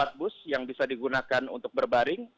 ada empat bus yang bisa digunakan untuk berbaring